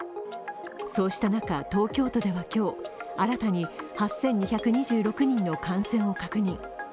そうした中、東京都では今日新たに８２２６人の感染を確認。